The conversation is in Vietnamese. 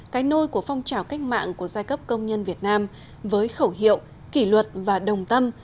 cái nôi của phong trào cách mạng của giai cấp công nhân việt nam với khẩu hiệu kỷ luật và đồng tâm